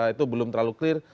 itu belum terlalu clear